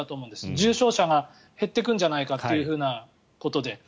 重症者が減っていくんじゃないかということで。